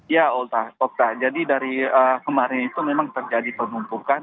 ya jadi dari kemarin itu memang terjadi penumpukan